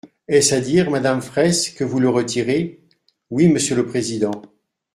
Est-ce à dire, madame Fraysse, que vous le retirez ? Oui, monsieur le président.